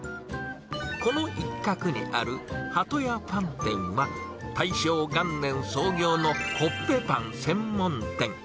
この一角にあるハト屋パン店は、大正元年創業のコッペパン専門店。